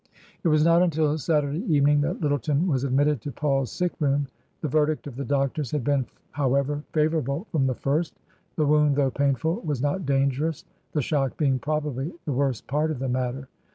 It was not until Saturday evening that Lyttleton was admitted to Paul's sick room. The verdict of the doctors had been, however, favourable from the first ; the wound though painful was not dangerous, the shock being probably the worst part of the matter.